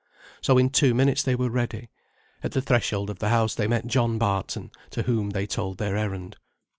So in two minutes they were ready. At the threshold of the house they met John Barton, to whom they told their errand.